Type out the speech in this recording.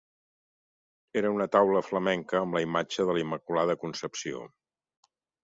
Era una taula flamenca amb la imatge de la Immaculada Concepció.